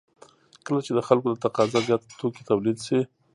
کله چې د خلکو له تقاضا زیات توکي تولید شي